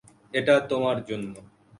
এটা তোমার জন্য।